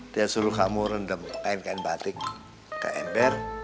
dia suruh kamu rendam kain kain batik ke ember